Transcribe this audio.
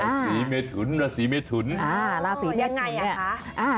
ราศีเมฑุร์ราศีเมฑุร์ยังไงอ่ะคะ